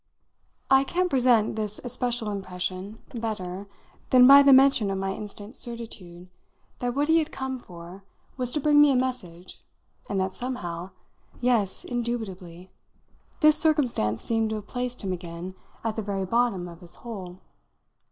I can't present this especial impression better than by the mention of my instant certitude that what he had come for was to bring me a message and that somehow yes, indubitably this circumstance seemed to have placed him again at the very bottom of his hole.